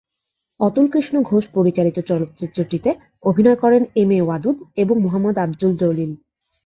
অতুলকৃষ্ণ ঘোষ পরিচালিত চলচ্চিত্রটিতে অভিনয় করেন এম এ ওয়াদুদ এবং মোহাম্মদ আব্দুল জলিল।